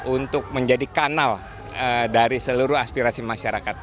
untuk menjadi kanal dari seluruh aspirasi masyarakat